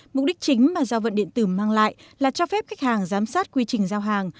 mục đích chính mà giao vận điện tử mang lại là cho phép khách hàng giám sát quy trình giao hàng